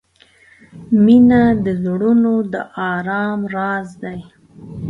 • مینه د زړونو د آرام راز دی.